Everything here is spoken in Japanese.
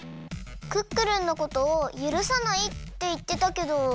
「クックルンのことをゆるさない」っていってたけど。